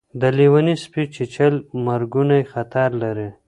د لېوني سپي چیچل مرګونی خطر لري.